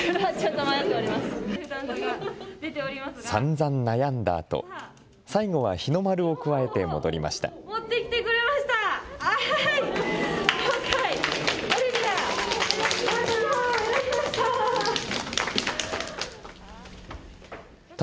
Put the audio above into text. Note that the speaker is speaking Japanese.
さんざん悩んだあと最後は日の丸をくわえて戻りました。